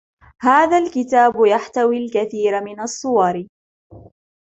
هذا الكتاب يحتوي الكثير من الصور.